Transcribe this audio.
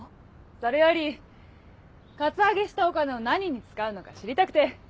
それよりカツアゲしたお金を何に使うのか知りたくて。